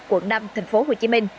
quận năm tp hcm